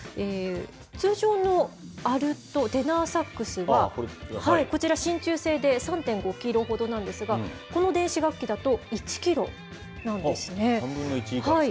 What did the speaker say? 通常のアルト、テナーサックスは、こちら、真ちゅう製で３．５キロほどなんですが、この電子楽器だと、１キロなんですね。